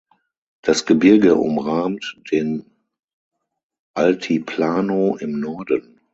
Das Gebirge umrahmt den Altiplano im Norden.